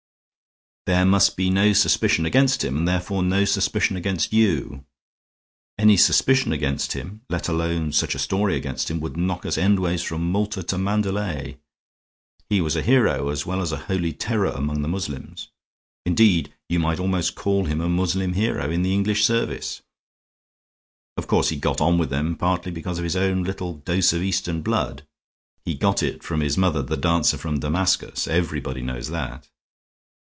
There must be no suspicion against him, and therefore no suspicion against you. Any suspicion against him, let alone such a story against him, would knock us endways from Malta to Mandalay. He was a hero as well as a holy terror among the Moslems. Indeed, you might almost call him a Moslem hero in the English service. Of course he got on with them partly because of his own little dose of Eastern blood; he got it from his mother, the dancer from Damascus; everybody knows that."